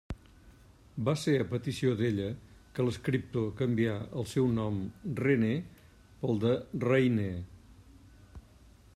Va ser a petició d'ella que l'escriptor canvià el seu nom René pel de Rainer.